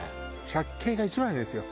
借景が一番ですよ。